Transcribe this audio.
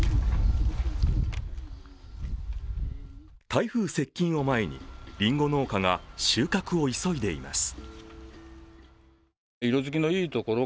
台風接近を前に、りんご農家が収穫を急いでいます。